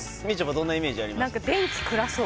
どんなイメージあります？